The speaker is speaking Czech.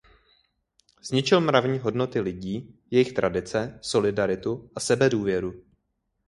Zničil mravní hodnoty lidí, jejich tradice, solidaritu a sebedůvěru.